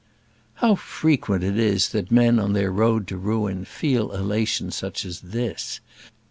How frequent it is that men on their road to ruin feel elation such as this!